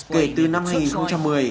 kể từ năm hai nghìn một mươi